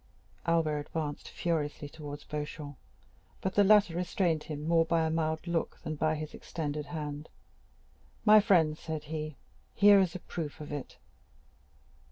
Albert advanced furiously towards Beauchamp, but the latter restrained him more by a mild look than by his extended hand. "My friend," said he, "here is a proof of it."